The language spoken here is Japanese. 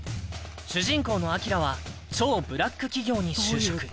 主人公の輝は超ブラック企業に就職。